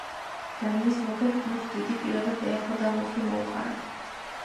დანიის მეფე კნუდ დიდი პირადად ეახლა და მუხლი მოუყარა.